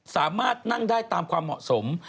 สามารถนั่งได้ตามความเหมาะสม